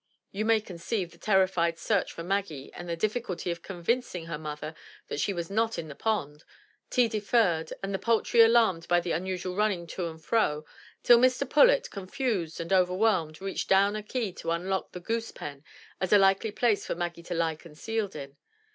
You may conceive the terrified search for Maggie and the diffi culty of convincing her mother that she was not in the pond, — tea deferred, and the poultry alarmed by the unusual running to and fro, till Mr. Pullet, confused and overwhelmed, reached down a key to unlock the goose pen as a likely place for Maggie to lie concealed in.